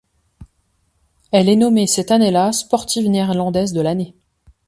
Elle est nommée cette année-là sportive néerlandaise de l'année.